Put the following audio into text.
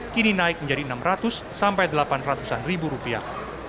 kini naik menjadi enam ratus sampai delapan ratus an ribu rupiah